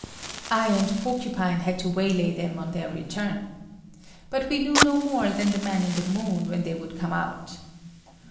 I and Porcupine had to waylay them on their return. But we knew no more than the man in the moon when they would come out.